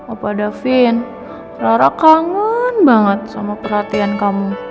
opa davin ra ra kangen banget sama perhatian kamu